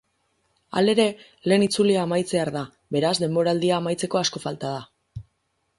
Halere, lehen itzulia amaitzear da, beraz denboraldia amaitzeko asko falta da.